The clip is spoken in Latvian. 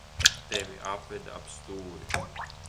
Tevi apveda ap stūri.